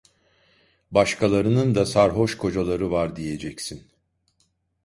Başkalarının da sarhoş kocaları var diyeceksin.